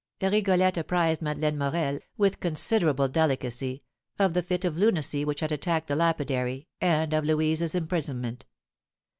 Rigolette apprised Madeleine Morel, with considerable delicacy, of the fit of lunacy which had attacked the lapidary, and of Louise's imprisonment.